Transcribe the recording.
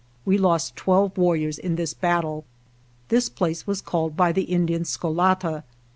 We lost twelve warriors in this battle. This place was called by the Indians " Sko la ta."